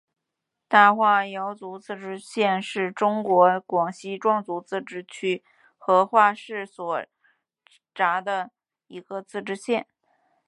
大化瑶族自治县是中国广西壮族自治区河池市所辖的一个自治县。